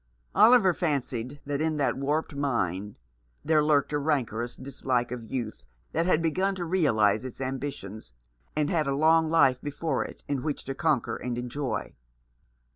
Oliver fancied that in that warped mind there lurked a rancorous dislike of youth that had begun to realize its ambitions, and had a long life before it in which to conquer and enjoy.